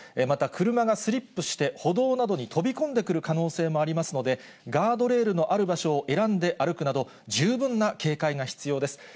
また、車がスリップして、歩道などに飛び込んでくる可能性もありますので、ガードレールのある場所を選んで歩くなど、十分な警戒が必要です。